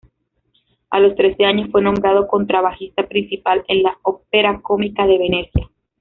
A los trece años, fue nombrado contrabajista principal en la ópera cómica de Venecia.